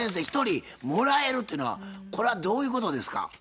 一人もらえるというのはこれはどういうことですか？